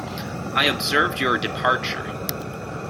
I observed your departure.